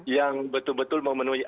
yang betul betul memenuhi